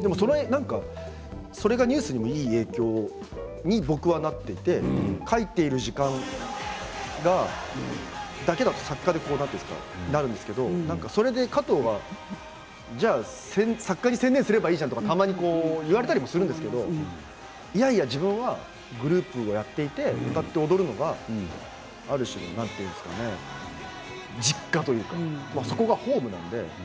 でもそれがＮＥＷＳにもいい影響に僕はなって書いている時間は作家になるんですけれどそれで加藤は作家に専念すればいいじゃんって言われたりするんですけどいやいや、自分はグループをやっていて歌って踊るのはある種実家というかそこはホームなんです。